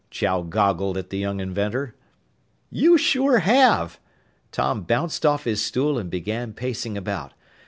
Chow goggled at the young inventor. "You sure have!" Tom bounced off his stool and began pacing about.